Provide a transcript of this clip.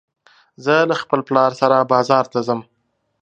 زه له خپل پلار سره بازار ته ځم